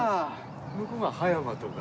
向こうが葉山とか。